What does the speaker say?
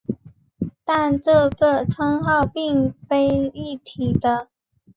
但这两个称号并非一体的。